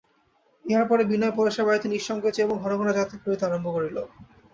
ইহার পরে বিনয় পরেশের বাড়িতে নিঃসংকোচে এবং ঘন ঘন যাতায়াত করিতে আরম্ভ করিল।